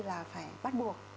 là phải bắt buộc